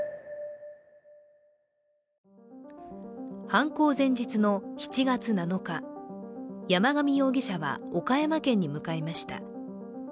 犯行前日の７月７日山上容疑者は岡山県に向かいました。